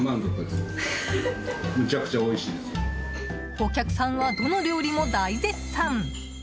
お客さんはどの料理も大絶賛。